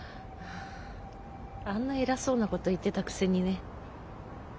あんな偉そうなこと言ってたくせにね。